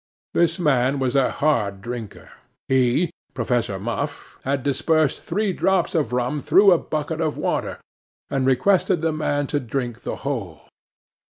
This man was a hard drinker. He (Professor Muff) had dispersed three drops of rum through a bucket of water, and requested the man to drink the whole.